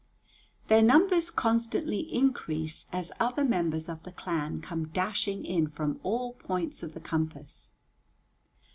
Their numbers constantly increase as other members of the clan come dashing in from all points of the compass.